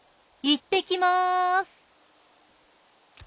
いってきます。